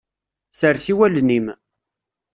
Sers i wallen-im.